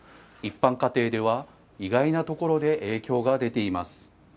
一般家庭では、意外なところで影響が出ています。